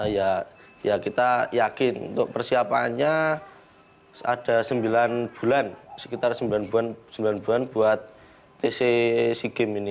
ya kita yakin untuk persiapannya ada sembilan bulan sekitar sembilan bulan buat tc sea games ini